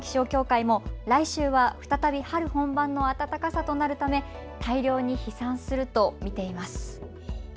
そして日本気象協会も来週は再び春本番の暖かさとなるため大量に飛散すると見ています。